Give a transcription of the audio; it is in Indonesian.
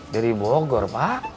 dari bogor pak